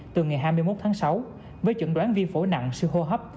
từ ngày hai mươi một tháng sáu với chuẩn đoán viêm phổ nặng siêu hô hấp